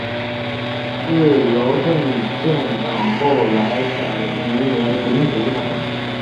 自由阵线党后来改名为民主党。